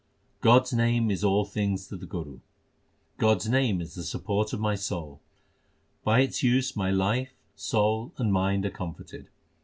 God s name is all things to the Guru : God s name is the support of my soul ; By its use my life, soul, and mind are comforted.